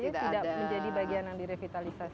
itu tidak menjadi bagian yang direvitalisasi